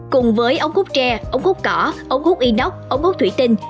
cùng với ống hút tre ống hút cỏ ống hút inox ống hút thủy tinh